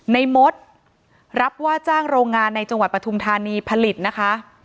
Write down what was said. มดรับว่าจ้างโรงงานในจังหวัดปฐุมธานีผลิตนะคะ